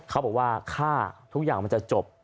เขาบอกว่าค่าทุกอย่างมันจะจบ